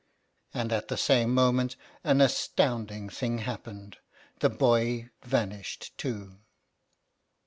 And at the same moment an astounding thing happened — the boy vanished too!"